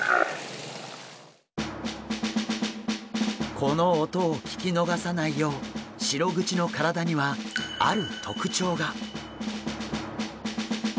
この音を聞き逃さないようシログチの体にはある特徴が。